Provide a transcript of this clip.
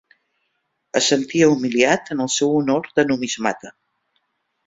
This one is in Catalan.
Es sentia humiliat en el seu honor de numismata.